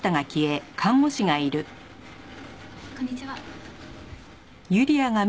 こんにちは。